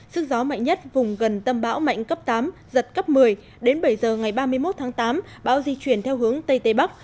sức gió mạnh nhất vùng gần tâm bão mạnh cấp tám giật cấp một mươi đến bảy giờ ngày ba mươi một tháng tám bão di chuyển theo hướng tây tây bắc